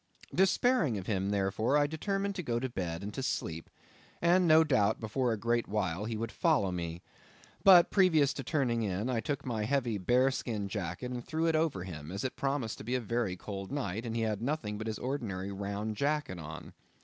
Despairing of him, therefore, I determined to go to bed and to sleep; and no doubt, before a great while, he would follow me. But previous to turning in, I took my heavy bearskin jacket, and threw it over him, as it promised to be a very cold night; and he had nothing but his ordinary round jacket on.